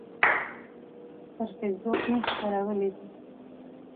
پر فیسبوک مې خپرولی